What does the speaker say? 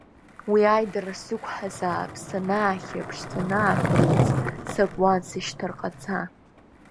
Уи аидара сықәҳазаап, санаахьаԥш, санаԥырымҵ, сакуан сышьҭарҟаца.